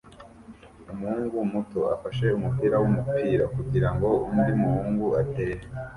Umuhungu muto ufashe umupira wumupira kugirango undi muhungu atere